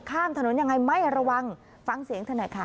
ข้ามถนนยังไงไม่ระวังฟังเสียงเธอหน่อยค่ะ